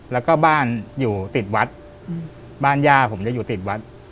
แล้วก็บ้านอยู่ติดวัดบ้านย่าผมจะอยู่ติดวัด